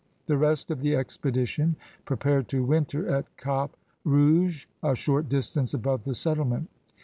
The rest of the expedition prepared to winter at Cap Rouge, a short distance above the settlement.